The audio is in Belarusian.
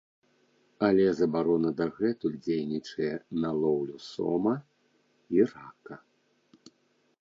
Але забарона дагэтуль дзейнічае на лоўлю сома і рака.